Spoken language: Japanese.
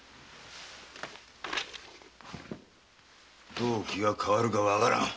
どう気が変わるかわからん。